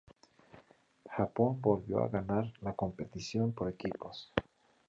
Japón volvió a ganar la competición por equipos.